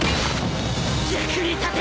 役に立て！